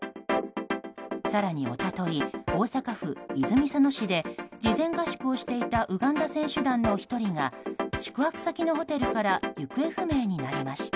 更に、一昨日大阪府泉佐野市で事前合宿をしていたウガンダ選手団の１人が宿泊先のホテルから行方不明になりました。